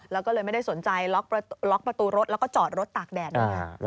และไม่สนใจล็อกประตูรถและจอดรถตากแดด